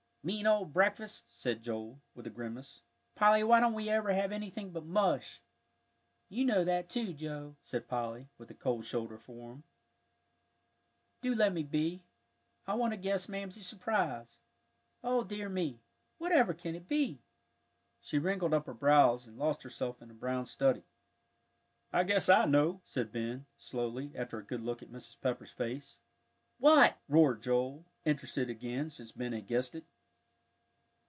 "Mean old breakfast!" said Joel, with a grimace. "Polly, why don't we ever have anything but mush?" "You know that too, Joe," said Polly, with a cold shoulder for him. "Do let me be, I want to guess Mamsie's surprise. O dear me! whatever can it be?" She wrinkled up her brows, and lost herself in a brown study. "I guess I know," said Ben, slowly, after a good look at Mrs. Pepper's face. "What?" roared Joel, interested again, since Ben had guessed it.